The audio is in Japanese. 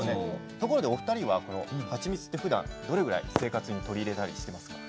ところでお二人はこのハチミツってふだんどれぐらい生活に取り入れたりしてますか？